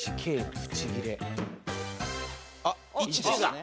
あっ１ですね。